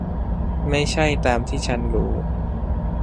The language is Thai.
ไม่ใช่ตามที่ฉันรู้